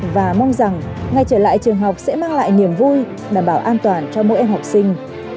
và mong rằng ngay trở lại trường học sẽ mang lại niềm vui đảm bảo an toàn cho mỗi em học sinh